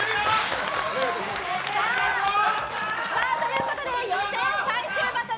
ということで予選最終バトル